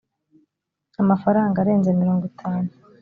amafaranga arenze mirongo itanu